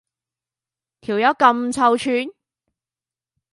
條友咁臭串？